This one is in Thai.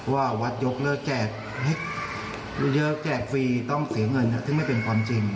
ว่าวัดยกเลิกแจกให้เยอะแจกฟรีต้องเสียเงินซึ่งไม่เป็นความจริง